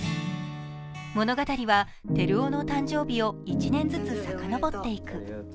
物語は照生の誕生日を１年ずつ遡っていく。